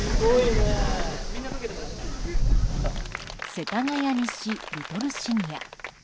世田谷西リトルシニア。